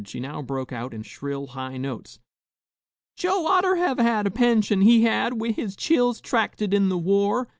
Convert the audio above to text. She now broke out, in shrill, high notes, "Joe ought ter 'a' had a pension, he had, wi' his chills 'tracted in the war.